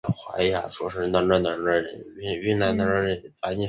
此列表基本上列出各国宪法所表明的政体。